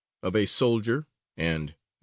of a soldier, and (N.C.)